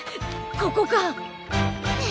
ここか！